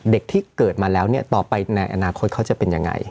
ที่เกิดมาแล้วเนี่ยต่อไปในอนาคตเขาจะเป็นยังไง